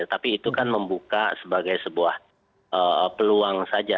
tapi itu kan membuka sebagai sebuah peluang saja